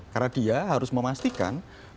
karena dia harus memastikan kalau kita lihat